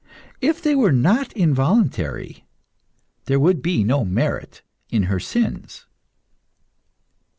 If they were not voluntary, there would be no merit in her sins.